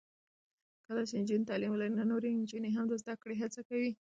کله چې نجونې تعلیم ولري، نو نورې نجونې هم د زده کړې هڅې کوي.